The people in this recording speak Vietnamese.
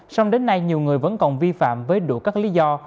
xong đến nay nhiều người vẫn còn vi phạm với đủ các lý do